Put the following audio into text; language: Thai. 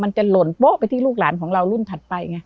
จะหล่นโป๊ะไปที่ลูกหลานของเรารุ่นถัดไปไง